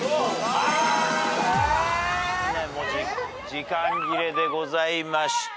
時間切れでございました。